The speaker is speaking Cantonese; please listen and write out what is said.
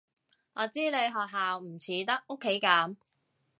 我知你學校唔似得屋企噉